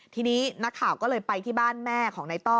ทีนี้นักข่าวก็เลยไปที่บ้านแม่ของนายต้อ